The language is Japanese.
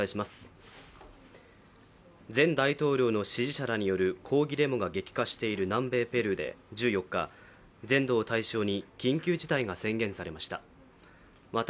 前大統領の支持者らによる抗議デモが激化している南米ペルーで１４日、全土を対象に緊急事態が宣言されました。